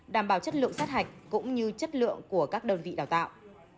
đảm bảo chất lượng sát hạch cũng như chất lượng của các đơn vị đào tạo